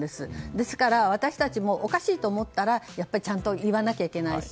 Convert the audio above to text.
ですから、私たちもおかしいと思ったらやっぱりちゃんと言わないといけないし。